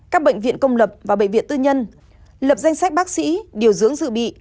các bệnh viện công lập và bệnh viện tư nhân lập danh sách bác sĩ điều dưỡng dự bị